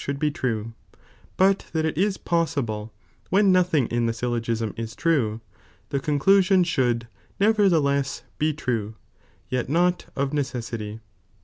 '*''"'"' should be true; but that it is poeaible, when nothing in the syUogiani is true, the conclusioD should, nevertheless, be true, yet not of necessity.